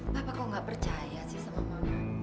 papa kok gak percaya sih sama mama